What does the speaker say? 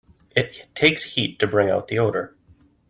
It takes heat to bring out the odor.